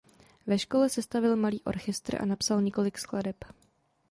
Ve škole sestavil malý orchestr a napsal několik skladeb.